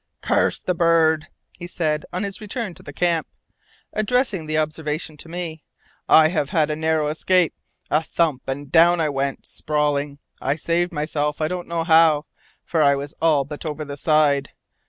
"Curse the bird!" he said on his return to the camp, addressing the observation to me. "I have had a narrow escape! A thump, and down I went, sprawling. I saved myself I don't know how, for I was all but over the side.